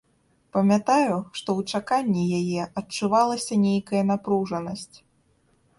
Памятаю, што ў чаканні яе адчувалася нейкая напружанасць.